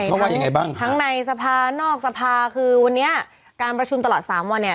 ใช่ทั้งในสภานอกสภาคือวันนี้การประชุมตลอดสามวันเนี่ย